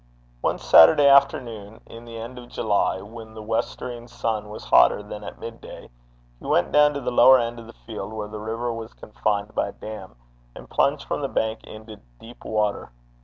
One Saturday afternoon in the end of July, when the westering sun was hotter than at midday, he went down to the lower end of the field, where the river was confined by a dam, and plunged from the bank into deep water.